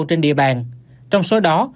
trên địa bàn trong số đó